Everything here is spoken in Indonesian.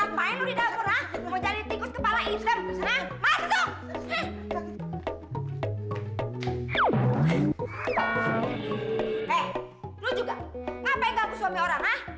makanya tidur ngapain lo di dapur